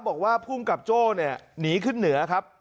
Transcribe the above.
บอกว่าภูมิกับโจ้เนี่ยหนีขึ้นเหนือครับ